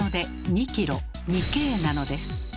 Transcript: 「２Ｋ」なのです。